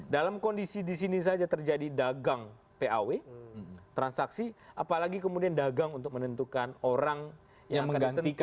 dalam kondisi di sini saja terjadi dagang paw transaksi apalagi kemudian dagang untuk menentukan orang yang akan ditentukan